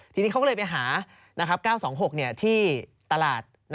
ทีนี้เขาก็เลยไปหา๙๒๖ที่ตลาด